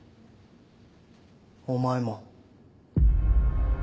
お前も。